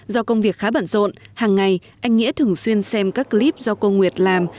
do công việc khá bẩn rộn hàng ngày anh nghĩa thường xuyên xem các clip do cô nguyệt làm